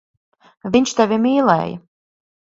Viņš tevi mīlēja.